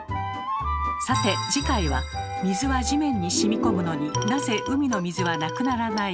さて次回は「水は地面にしみこむのになぜ海の水はなくならない？」